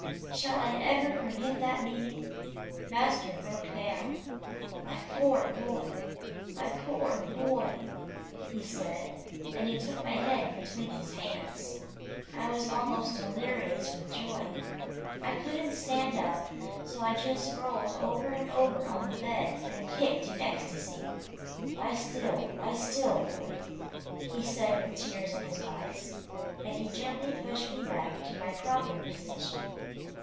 Shall I ever forget that meeting! Master broke down. "My poor Boy my poor Boy," he said, and he took my head between his hands. I was almost delirious with joy. I couldn't stand up, so I just rolled over and over on the bed, and kicked in ecstasy. "Lie still, lie still, Boy," he said with tears in his eyes, and he gently pushed me back to my proper position.